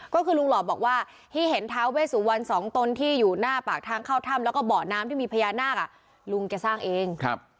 ก็คือลุงหล่อบอกว่าที่เห็นท้าเวสุวรรณสองตนที่อยู่หน้าปากทางเข้าถ้ำแล้วก็เบาะน้ำที่มีพญานาคลุงแกสร้างเอง